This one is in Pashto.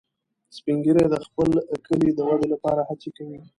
سپین ږیری د خپل کلي د ودې لپاره هڅې کوي